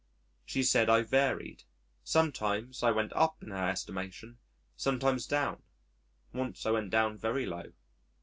She said I varied: sometimes I went up in her estimation, sometimes down; once I went down very low.